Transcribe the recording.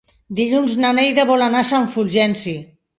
Dilluns na Neida vol anar a Sant Fulgenci.